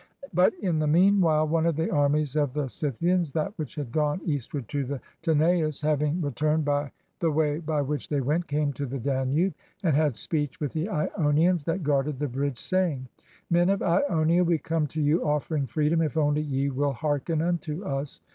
But in the mean while one of the armies of the Scyth ians, that which had gone eastward to the Tanais, hav 341 PERSIA ing returned by the way by which they went, came to the Danube and had speech with the lonians that guarded the bridge, saying, " Men of Ionia, we come to you offering freedom if only ye will hearken unto us.